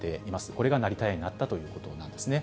これが成田屋になったということなんですね。